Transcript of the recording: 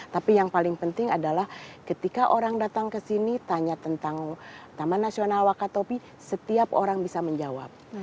tapi yang paling penting adalah ketika orang datang ke sini tanya tentang taman nasional wakatobi setiap orang bisa menjawab